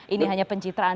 ini hanya pencitraan